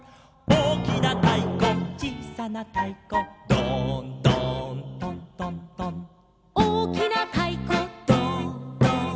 「おおきなたいこちいさなたいこ」「ドーンドーントントントン」「おおきなたいこドーンドーン」